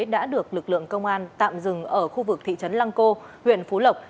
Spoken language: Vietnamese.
đã được lực lượng công an tạm dừng ở khu vực thị trấn lăng cô huyện phú lộc